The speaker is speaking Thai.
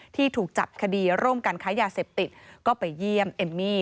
ที่ถูกจับคดีร่วมกันค้ายาเสพติดก็ไปเยี่ยมเอมมี่